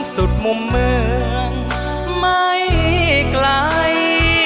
สุดมุมเมืองไม่ไกล